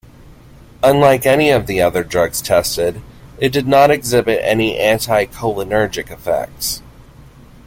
Unlike any of the other drugs tested, it did not exhibit any anticholinergic effects.